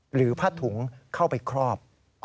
หรือผ้าถุงเข้าไปครอบ